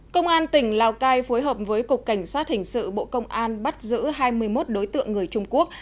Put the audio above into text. công an tỉnh lào cai phối hợp với cục cảnh sát hình sự bộ công an bắt giữ hai mươi một đối tượng người trung quốc